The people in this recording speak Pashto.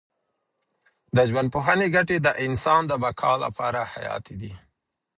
د ژوندپوهنې ګټې د انسان د بقا لپاره حیاتي دي.